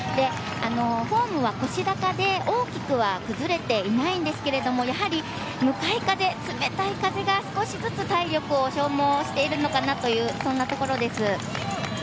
フォームは腰高で大きくは崩れていないんですけどやはり向かい風、冷たい風が少しずつ体力を消耗しているのかなというそんなところです。